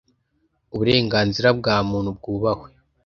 Uburenganzira bwa muntu bwubahwe.